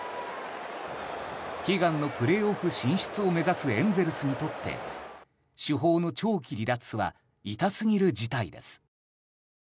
悲願のプレーオフ進出を目指すエンゼルスにとって主砲の長期離脱は痛すぎる事態です。